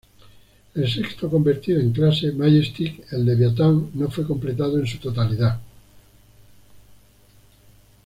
Un sexto convertido en clase "Majestic", el "Leviathan", no fue completado en su totalidad.